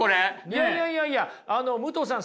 いやいやいやいや武藤さん